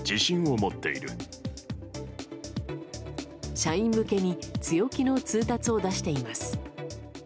社員向けに強気の通達を出しています。